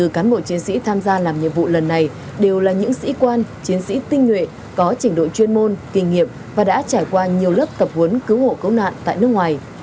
một mươi cán bộ chiến sĩ tham gia làm nhiệm vụ lần này đều là những sĩ quan chiến sĩ tinh nhuệ có trình độ chuyên môn kinh nghiệm và đã trải qua nhiều lớp tập huấn cứu hộ cấu nạn tại nước ngoài